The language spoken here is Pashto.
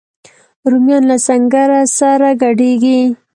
رومیان له سنګره سره ګډیږي